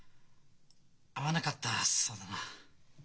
会わなかったそうだな。